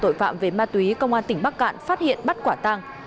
tội phạm về ma túy công an tỉnh bắc cạn phát hiện bắt quả tang